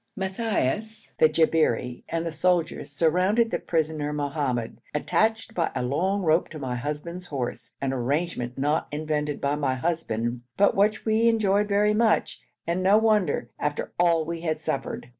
Matthaios, the Jabberi, and the soldiers surrounding the prisoner Mohammad, attached by a long rope to my husband's horse, an arrangement not invented by my husband, but which we enjoyed very much, and no wonder, after all we had suffered!